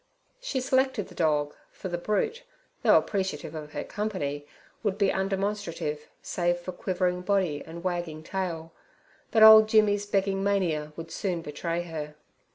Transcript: She selected the dog, for the brute, though appreciative of her company, would be undemonstrative, save for quivering body and wagging tail; but old Jimmy's begging mania would soon betray her.